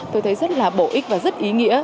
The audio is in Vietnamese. tôi thấy rất là bổ ích và rất ý nghĩa